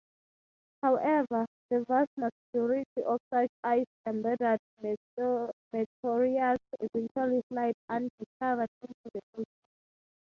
However, the vast majority of such ice-embedded meteorites eventually slide undiscovered into the ocean.